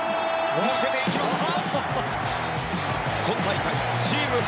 抜けていきました。